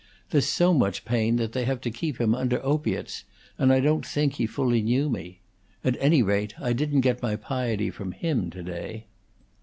There's so much pain that they have to keep him under opiates, and I don't think he fully knew me. At any rate, I didn't get my piety from him to day."